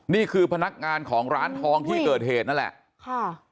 นี่คือพนักงานของร้านทองที่เกิดเหตุนั่นแหละค่ะ